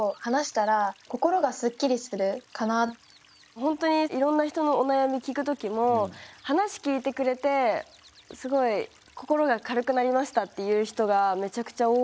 自分のいろんな人のお悩み聞くときも話聞いてくれてすごい心が軽くなりましたっていう人がめちゃくちゃ多いので。